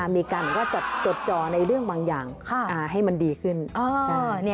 มีการจดจ่อในเรื่องบางอย่างให้มันดีขึ้น